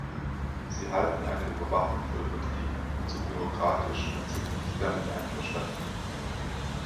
Sie halten eine Überwachung für übertrieben und zu bürokratisch und sind nicht damit einverstanden.